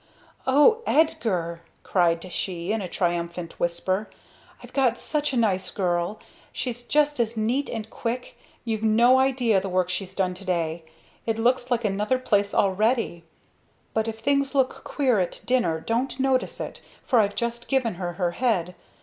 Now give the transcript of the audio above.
"O Edgar!" cried she in a triumphant whisper, "I've got such a nice girl! She's just as neat and quick; you've no idea the work she's done today it looks like another place already. But if things look queer at dinner don't notice it for I've just given her her head.